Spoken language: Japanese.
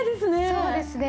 そうですね。